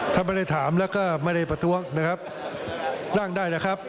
ถ้าไม่ได้ถามแล้วก็ไม่ได้ประท้วงนะครับร่างได้นะครับ